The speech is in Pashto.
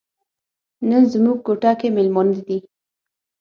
نن زموږ کوټه کې میلمانه دي.